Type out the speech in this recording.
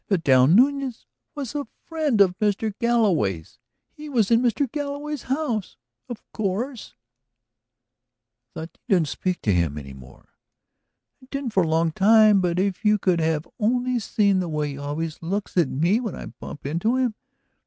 Vidal Nuñez was a friend of Mr. Galloway's; he was in Mr. Galloway's house. Of course ..." "I thought that you didn't speak to him any more." "I didn't for a long time. But if you could have only seen the way he always looks at me when I bump into him.